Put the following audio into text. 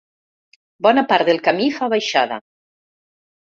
Bona part del camí fa baixada.